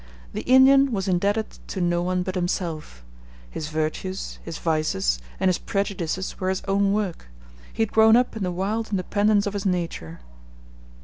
The Indian was indebted to no one but himself; his virtues, his vices, and his prejudices were his own work; he had grown up in the wild independence of his nature.